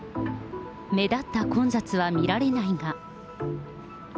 目立った混雑は見られないが。